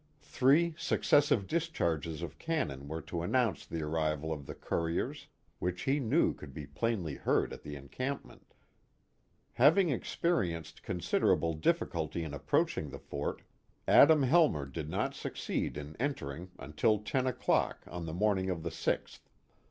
Three successive discharges of cannon were to announce the arrival of the couriers, which he knew could be plainly heard at the encampment. Having experienced considerable difficulty in approaching the fort, Adam Helmer did not suc ceed in entering until ten o'clock on the morning of the 6th.